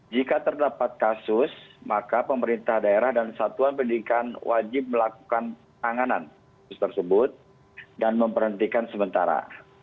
jika terdapat kasus maka pemerintah daerah dan satuan pendidikan wajib melakukan anganan tersebut dan memperhentikan sementara